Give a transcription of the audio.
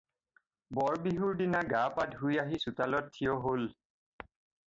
বৰ বিহুৰ দিনা গা-পা ধুই আহি চোতালত থিয় হ'ল।